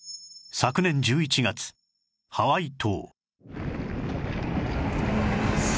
昨年１１月ハワイ島